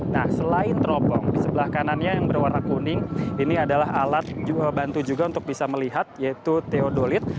nah selain teropong di sebelah kanannya yang berwarna kuning ini adalah alat bantu juga untuk bisa melihat yaitu teodolit